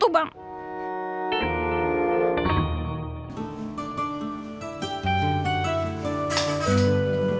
gak bisa banget sih lu bang